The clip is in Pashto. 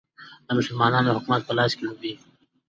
د مسلمانانو حکومت په لاس کې لوبیږي.